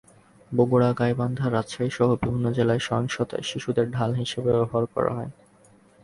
বগুড়া, গাইবান্ধা, রাজশাহীসহ বিভিন্ন জেলায় সহিংসতায় শিশুদের ঢাল হিসেবে ব্যবহার করা হয়।